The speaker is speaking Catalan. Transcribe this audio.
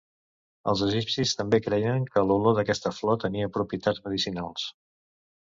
Els egipcis també creien que l'olor d'aquesta flor tenia propietats medicinals.